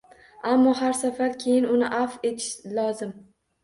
Ammo har safar keyin uni afv etish lozim.